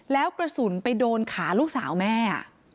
แล้วกระสุนไปโดนขาลูกสาวแม่